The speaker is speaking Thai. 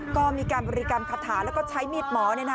ก็มีการบริกรรมคาถาแล้วก็ใช้มีดหมอ